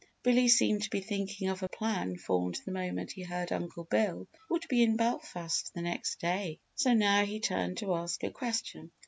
Billy seemed to be thinking of a plan formed the moment he heard Uncle Bill would be in Belfast the next day. So now he turned to ask a question.